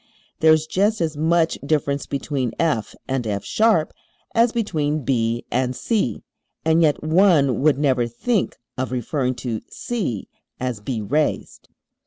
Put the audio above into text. There is just as much difference between F and F[sharp] as between B and C, and yet one would never think of referring to C as "B raised"!